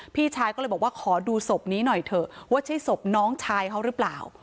พี่ชายก็เลยบอกว่าขอดูศพนี้หน่อยเถอะว่าใช่ศพน้องชายเขาหรือเปล่า